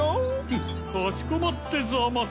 フッかしこまってざます。